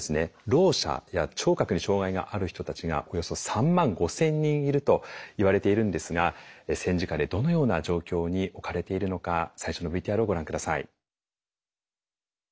ろう者や聴覚に障害がある人たちがおよそ３万５，０００人いるといわれているんですが戦時下でどのような状況に置かれているのか最初のＶＴＲをご覧下さい。